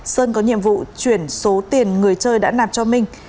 sơn có nhiệm vụ chuyển số tiền người chơi đã nạp cho minh